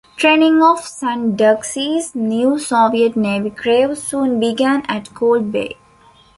Training of "Sanduksy"s new Soviet Navy crew soon began at Cold Bay.